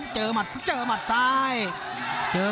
ภูตวรรณสิทธิ์บุญมีน้ำเงิน